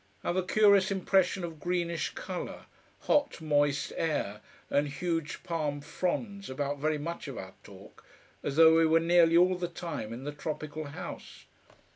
I've a curious impression of greenish colour, hot, moist air and huge palm fronds about very much of our talk, as though we were nearly all the time in the Tropical House.